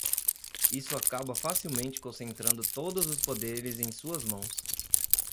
Isso acaba facilmente concentrando todos os poderes em suas mãos.